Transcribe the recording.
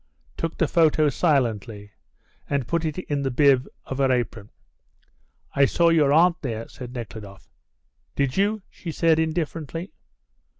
took the photo silently and put it in the bib of her apron. "I saw your aunt there," said Nekhludoff. "Did you?" she said, indifferently.